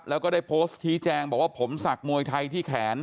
แล้วก็ได้โพสต์ชี้แจงบอกว่าผมศักดิ์มวยไทยที่แขน